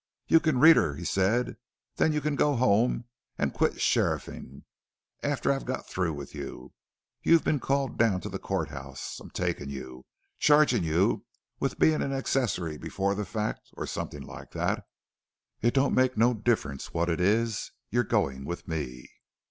"You can read her," he said. "Then you can go home an' quit sheriffin' after I've got through with you. You've been called down to the court house. I'm takin' you, chargin' you with bein' an accessory before the fact, or somethin' like that. It don't make no difference what it is, you're goin' with me."